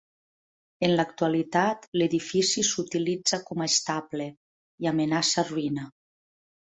En l'actualitat, l'edifici s'utilitza com a estable, i amenaça ruïna.